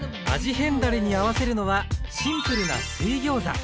変だれに合わせるのはシンプルな水ギョーザ。